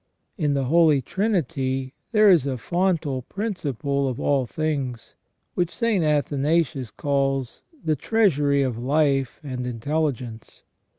In the Holy Trinity there is a fontal principal of all things, which St. Athanasius calls " the treasury of life and intelli gence